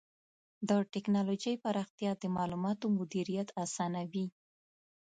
د ټکنالوجۍ پراختیا د معلوماتو مدیریت آسانوي.